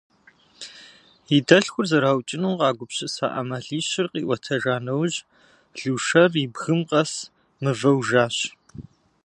И дэлъхур зэраукӏыну къагупсыса ӏэмалищыр къиӏуэтэжа нэужь, Лушэр и бгым къэс мывэу жащ.